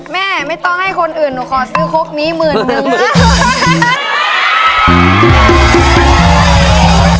แม่ไม่ต้องให้คนอื่นหนูขอซื้อครกนี้หมื่นนึง